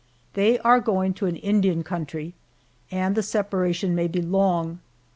They are going to an Indian country, and the separation may be long.